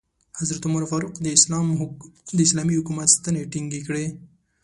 حضرت عمر فاروق د اسلامي حکومت ستنې ټینګې کړې.